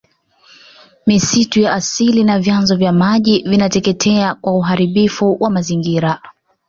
misitu ya asili na vyanzo vya maji vinateketea kwa uharibifu wa mazingira